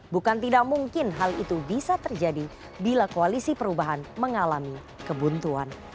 bukan tidak mungkin hal itu bisa terjadi bila koalisi perubahan mengalami kebuntuan